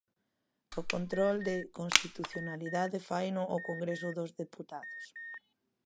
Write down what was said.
O control de constitucionalidade faino o Congreso dos Deputados.